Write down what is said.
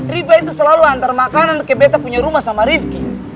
riba itu selalu antar makanan ke beta punya rumah sama rifki